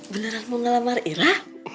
beneran mau ngelamar irah